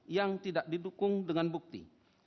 yang tidak didukung dengan bukti